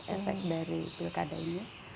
efek dari pilkada ini